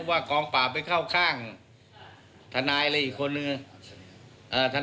ว่ากองป่าไปเข้าข้างธนายอะไรอีกคนนึงนะฮะ